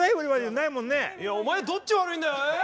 いやお前どっちが悪いんだよえ？